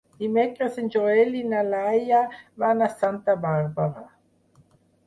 Dimecres en Joel i na Laia van a Santa Bàrbara.